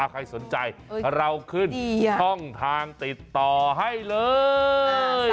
ใครสนใจเราขึ้นช่องทางติดต่อให้เลย